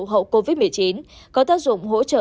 hậu covid một mươi chín có tác dụng hỗ trợ